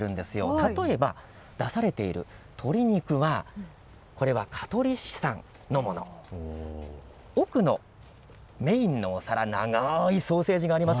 例えば出されている鶏肉はこれは香取市産のもの、奥のメインのお皿、長いソーセージがあります。